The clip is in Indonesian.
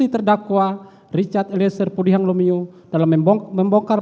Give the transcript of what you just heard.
tidak selingkuh dengan